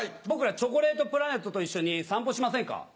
僕らチョコレートプラネットと一緒に散歩しませんか？